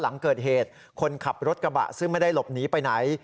หลังเกิดเหตุคนขับรถกระบะซึ่งไม่ได้หลบหนีไปไหน